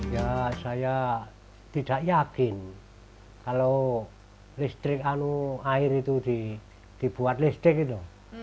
ya saya tidak yakin kalau listrik anu air itu dibuat listrik gitu